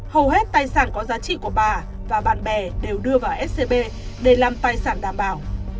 hầu hết tài sản có giá trị của bà và bạn bè đều đưa vào scb để làm tài sản đảm bảo